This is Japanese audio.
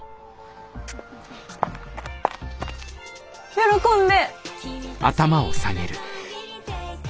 喜んで！